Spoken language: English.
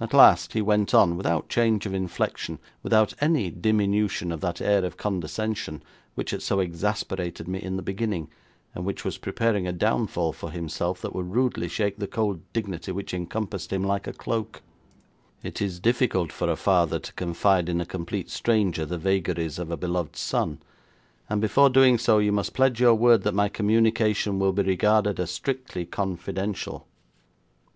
At last he went on, without change of inflection, without any diminution of that air of condescension, which had so exasperated me in the beginning, and which was preparing a downfall for himself that would rudely shake the cold dignity which encompassed him like a cloak: 'It is difficult for a father to confide in a complete stranger the vagaries of a beloved son, and before doing so you must pledge your word that my communication will be regarded as strictly confidential.'